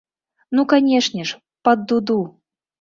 Ну, канешне ж, пад дуду!